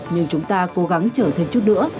nhưng chúng ta cố gắng chở thêm chút nữa